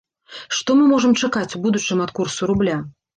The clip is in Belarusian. Што мы можам чакаць у будучым ад курсу рубля?